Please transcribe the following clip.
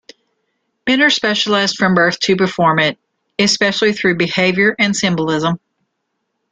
Men are socialized from birth to perform it, especially through behavior and symbolism.